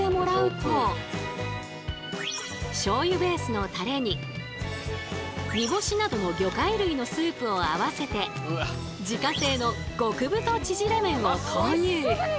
しょうゆベースのタレに煮干しなどの魚介類のスープを合わせて自家製の極太ちぢれ麺を投入。